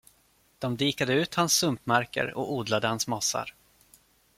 De dikade ut hans sumpmarker och odlade hans mossar.